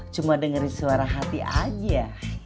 cuma dengerin suara hati aja